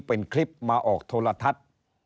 เป็นคลิปมาออกโทรทัศน์